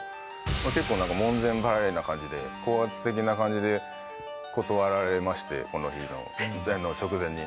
結構なんか門前払いな感じで高圧的な感じで断られましてこの日の直前に。